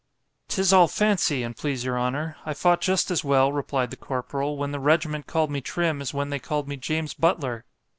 ——'Tis all fancy, an' please your honour—I fought just as well, replied the corporal, when the regiment called me Trim, as when they called me _James Butler.